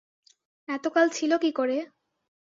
এতকাল ছিল কী করে?